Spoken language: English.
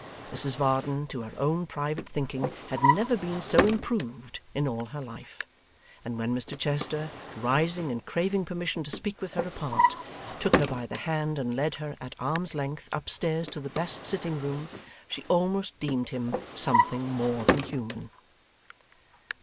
Mrs Varden, to her own private thinking, had never been so improved in all her life; and when Mr Chester, rising and craving permission to speak with her apart, took her by the hand and led her at arm's length upstairs to the best sitting room, she almost deemed him something more than human.